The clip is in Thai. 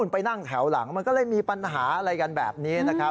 ไปนั่งแถวหลังมันก็เลยมีปัญหาอะไรกันแบบนี้นะครับ